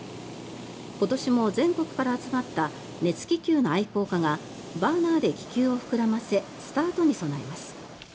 今年も全国から集まった熱気球の愛好家がバーナーで気球を膨らませスタートに備えます。